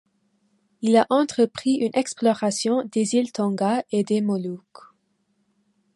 Il a entrepris une exploration des îles Tonga et des Moluques.